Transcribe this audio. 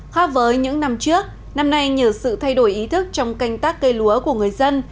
khoa với những năm trước năm nay nhờ sự thay đổi ý thức trong canh tác cây lúa của người dân